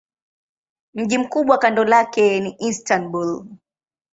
Mji mkubwa kando lake ni Istanbul.